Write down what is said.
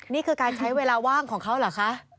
นี่คือการใช้เวลาว่างของเขาเหรอคะ